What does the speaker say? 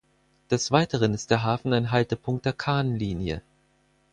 Des Weiteren ist der Hafen ein Haltepunkt der Kahnlinie.